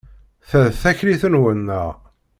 Ta d taklit-nwen, naɣ?